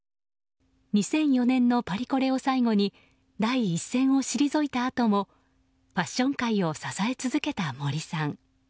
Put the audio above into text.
２００４年のパリコレを最後に第一線を退いた後もファッション界を支え続けた森さん。